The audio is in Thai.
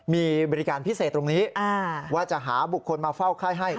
มีบริการพิเศษตรงนี้ว่าจะหาบุคคลมาเฝ้าไข้ให้